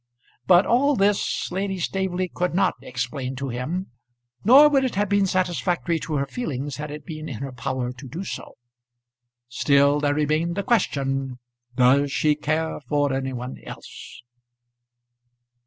But all this Lady Staveley could not explain to him; nor would it have been satisfactory to her feelings had it been in her power to do so. Still there remained the question, "Does she care for any one else?"